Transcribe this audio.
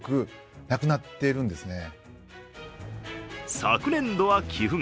昨年度は、寄付額